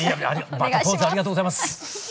またポーズありがとうございます。